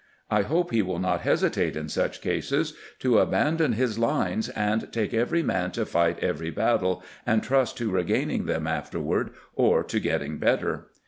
I hope he will not hesi tate in such cases to abandon his lines and take every man to fight every battle, and trust to regaining them afterward, or to getting better."